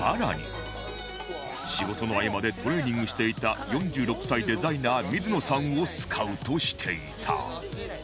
仕事の合間でトレーニングしていた４６歳デザイナー水野さんをスカウトしていた